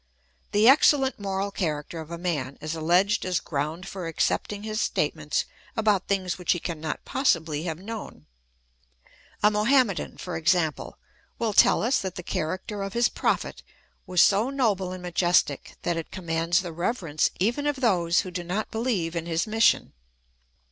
The excellent moral character of a man is alleged as ground for accepting his statements about things which he cannot possibly have known. A Mohammedan, for example, will tell us that the character of his Prophet was so noble and majestic that it commands the reverence even of those who do not beheve in his mission.